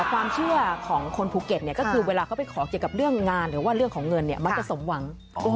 ความเชื่อของคนภูเก็ตเนี่ยก็คือเวลาเขาไปขอเกี่ยวกับเรื่องงานหรือว่าเรื่องของเงินเนี่ยมักจะสมหวัง